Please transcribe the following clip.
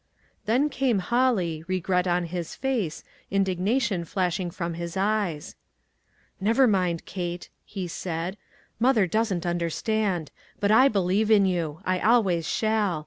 Then came Holly, regret on his face, in dignation flashing from his eyes. "Never mind, Kate/' he said, "mother doesn't understand; but 1 believe in you. I always shall.